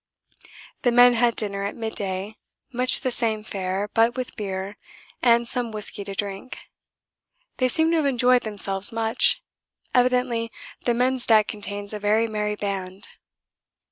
The men had dinner at midday much the same fare, but with beer and some whisky to drink. They seem to have enjoyed themselves much. Evidently the men's deck contains a very merry band.